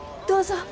どうぞ。